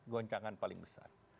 goncangan paling besar